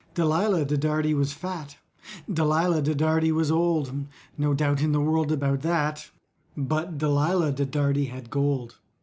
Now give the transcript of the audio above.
DALILAH DE DARDY was fat, DALILAH DE DARDY was old— (No doubt in the world about that) But DALILAH DE DARDY had gold.